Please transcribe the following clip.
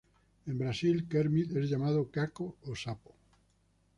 En Brasil, Kermit es llamado "Caco o Sapo".